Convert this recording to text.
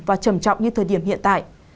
và trầm trọng như thời điểm hiện tại